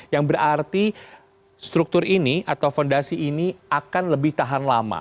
yang berarti struktur ini atau fondasi ini akan lebih tahan lama